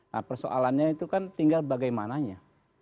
nah persoalannya itu kan tinggal bagaimananya